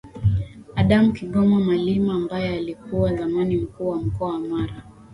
Adam Kigoma Malima ambaye alikuwa zamani Mkuu wa mkoa wa Mara